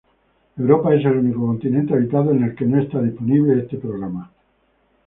Europa es el único continente habitado en el que no está disponible este programa.